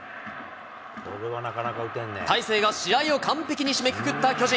大勢が試合を完璧に締めくくった巨人。